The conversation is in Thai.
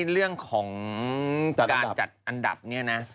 เรื่องของการจัดอันดับเนี่ยนะ